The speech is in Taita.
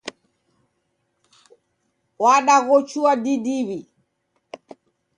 Wandaghochua didiw'i.